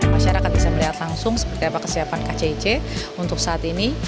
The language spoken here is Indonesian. masyarakat bisa melihat langsung seperti apa kesiapan kcic untuk saat ini